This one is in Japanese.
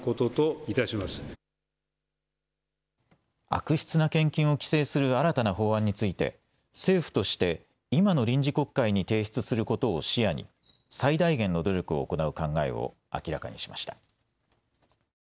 悪質な献金を規制する新たな法案について政府として今の臨時国会に提出することを視野に最大限の努力を行う考えを明らかにしました。